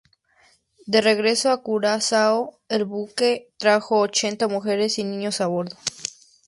De regreso a Curazao el buque trajo ochenta mujeres y niños a bordo.